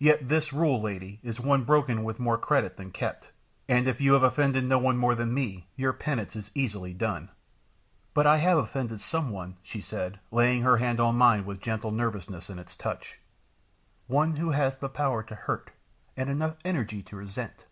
Yet this rule, lady, is one broken with more credit than kept, and if you have offended no one more than me, your penance is easily done." "But I have offended some one," she said, laying her hand on mine with gentle nervousness in its touch, "one who has the power to hurt, and enough energy to resent.